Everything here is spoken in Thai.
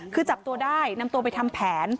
คือจับตัวได้นำตัวไปทำแผน